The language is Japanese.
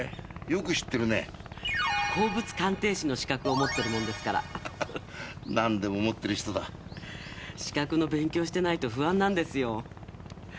よく知ってるね鉱物鑑定士の資格を持ってるもんですから何でも持ってる人だ資格の勉強してないと不安なんですよ